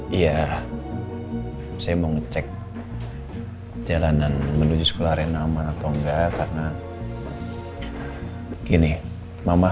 eh iya saya mau ngecek jalanan menuju sekolah renama atau enggak karena gini mama